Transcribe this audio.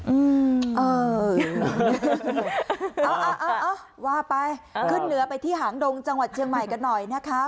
เออเอาเอาว่าไปขึ้นเหนือไปที่หางดงจังหวัดเชียงใหม่กันหน่อยนะคะ